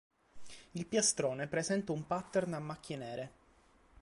Il piastrone presenta un pattern a macchie nere.